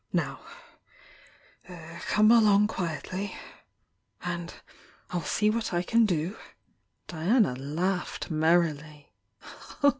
— Now come along quietly, and I'll see what I can do " Diana laughed merrily.